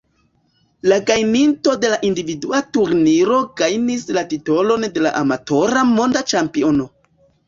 La gajninto de la individua turniro gajnis la titolon de Amatora Monda Ĉampiono.